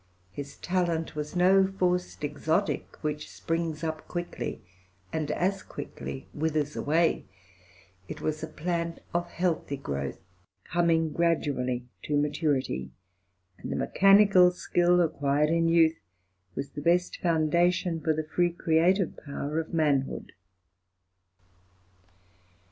His talent was no forced exotic, which springs up quickly and as quickly withers away; it was a plant of healthy growth, coming gradually to maturity; and the mechanical skill acquired in youth was the best foundation for the free creative power of manhood.